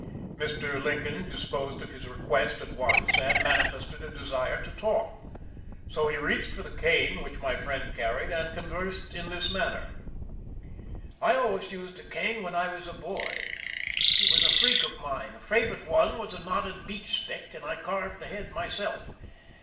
Mr. Lincoln disposed of his request at once, and manifested a desire to talk. So he reached for the cane which my friend carried and conversed in this manner: "I always used a cane when I was a boy. It was a freak of mine. My favorite one was a knotted beech stick, and I carved the head myself.